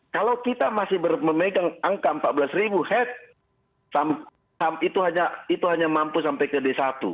kalau kita masih memegang angka empat belas ribu head itu hanya mampu sampai ke d satu